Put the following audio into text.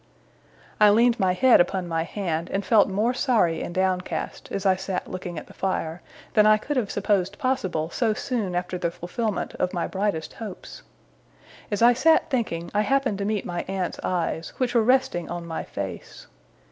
I leaned my head upon my hand; and felt more sorry and downcast, as I sat looking at the fire, than I could have supposed possible so soon after the fulfilment of my brightest hopes. As I sat thinking, I happened to meet my aunt's eyes, which were resting on my face.